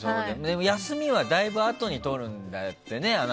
休みはだいぶあとにとるんだってね。